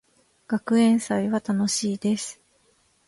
学園祭は楽しいです。